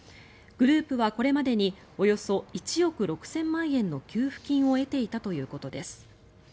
グループはこれまでにおよそ１億６０００万円の給付金を得ていたということです。